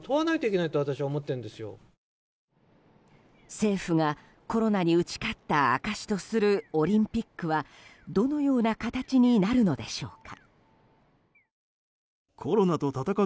政府がコロナに打ち勝った証しとするオリンピックはどのような形になるのでしょうか。